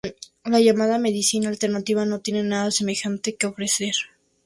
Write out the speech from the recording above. La llamada medicina alternativa no tiene nada semejante que ofrecer.